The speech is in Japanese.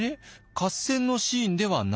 合戦のシーンではない？